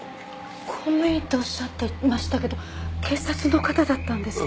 公務員っておっしゃっていましたけど警察の方だったんですか。